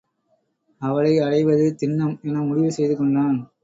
அவளை அடைவது திண்ணம் என முடிவு செய்து கொண்டான்.